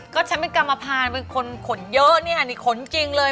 ก็ฉันเป็นกรรมภารเป็นคนขนเยอะเนี่ยนี่ขนจริงเลย